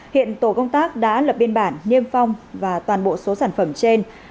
hiện tổ công tác đã lập biên bản niêm phong và toàn bộ số sản phẩm trên